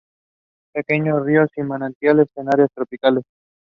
He played the role of "Deputy Marshal Heck Martin".